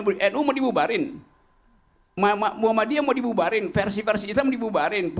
berhentinya mau dibubarin mama mama dia mau dibubarin versi versi kita mau dibubarin